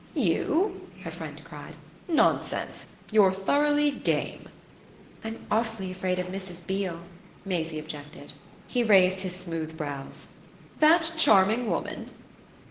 "You?" her friend cried. "Nonsense! You're thoroughly 'game.'" "I'm awfully afraid of Mrs. Beale," Maisie objected. He raised his smooth brows. "That charming woman?"